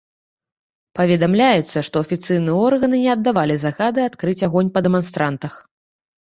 Паведамляецца, што афіцыйныя органы не аддавалі загады адкрыць агонь па дэманстрантах.